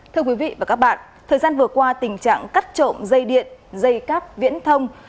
thưa quý vị và các bạn thời gian vừa qua tình trạng cắt trộm dây điện dây cáp viễn thông